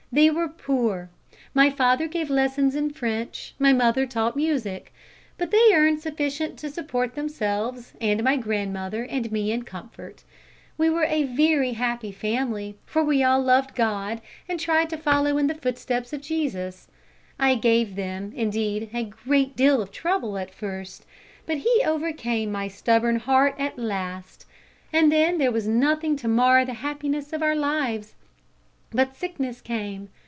They were poor. My father gave lessons in French, my mother taught music. But they earned sufficient to support themselves and my grandmother and me in comfort. We were a very happy family, for we all loved God and tried to follow in the footsteps of Jesus. I gave them, indeed, a great deal of trouble at first, but He overcame my stubborn heart at last, and then there was nothing to mar the happiness of our lives. But sickness came.